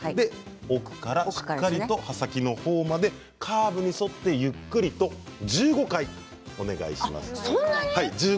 奥からしっかりと刃先の方までカーブに沿ってゆっくりと１５回、お願いします。